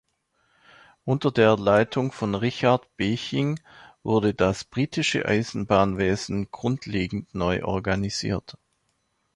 Unter der Leitung von Richard Beeching wurde das britische Eisenbahnwesen grundlegend neu organisiert.